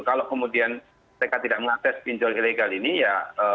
kalau kemudian mereka tidak mengakses pinjol ilegal ini ya